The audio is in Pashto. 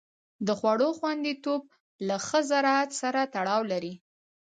د خوړو خوندیتوب له ښه زراعت سره تړاو لري.